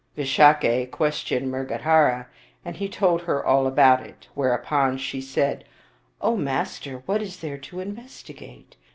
Visakha questioned Mrga dhara, and he told her all about it, whereupon she said, " O master, what is there to investigate?